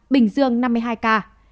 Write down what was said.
bình dương năm mươi hai ca